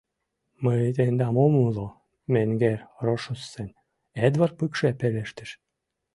— Мый тендам ом умыло, менгер Рошуссен, — Эдвард пыкше пелештыш.